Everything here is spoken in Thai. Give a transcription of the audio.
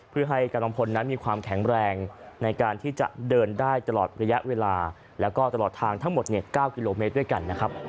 เพื่อให้กำลังพลนั้นมีความแข็งแรงในการที่จะเดินได้ตลอดระยะเวลาแล้วก็ตลอดทางทั้งหมด๙กิโลเมตรด้วยกันนะครับ